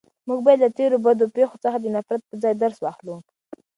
موږ باید له تېرو بدو پېښو څخه د نفرت په ځای درس واخلو.